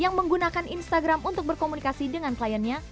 yang menggunakan instagram untuk berkomunikasi dengan kliennya